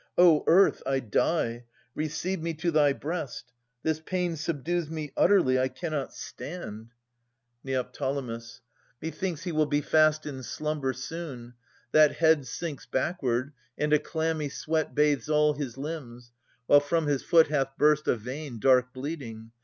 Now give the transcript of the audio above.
O Earth, I die : receive me to thy breast ! This pain Subdues me utterly; I cannot stand. 296 Philodetes [821 843 Neo. Methinks he will be fast in slumber soon. That head sinks backward, and a clammy sweat Bathes all his limbs, while from his foot hath burst A vein, dark bleeding.